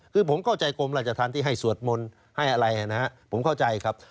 คือผมเข้าใจกรมราชธรรมที่ให้สวดมนต์ให้อะไรนะครับผมเข้าใจครับ